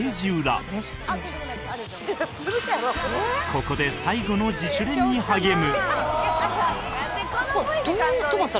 ここで最後の自主練に励む